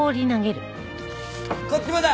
こっちもだ！